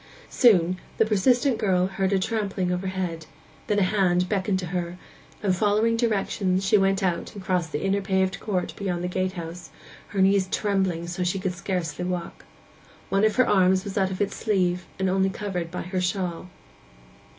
Soon the persistent girl heard a trampling overhead, then a hand beckoned to her, and, following directions, she went out and crossed the inner paved court beyond the gatehouse, her knees trembling so that she could scarcely walk. One of her arms was out of its sleeve, and only covered by her shawl.